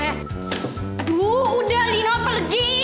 aduh udah lino pergi